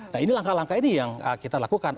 nah ini langkah langkah ini yang kita lakukan